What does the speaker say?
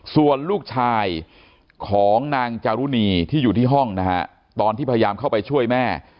ส่วนลูกชายของนางจารุณีที่อยู่ที่ห้องนะฮะตอนที่พยายามเข้าไปช่วยแม่